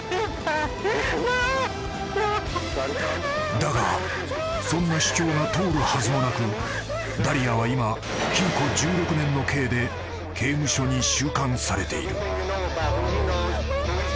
［だがそんな主張が通るはずもなくダリアは今禁錮１６年の刑で刑務所に収監されている］